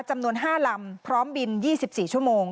จำนวน๕ลำพร้อมบิน๒๔ชั่วโมง